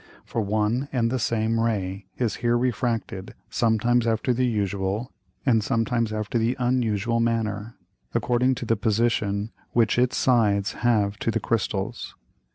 For one and the same Ray is here refracted sometimes after the usual, and sometimes after the unusual manner, according to the Position which its Sides have to the Crystals.